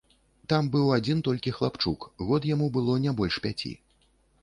Там быў адзін толькі хлапчук, год яму было не больш пяці.